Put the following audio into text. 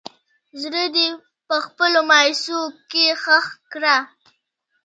زړه دې په خپلو مايوسو کښې ښخ کړه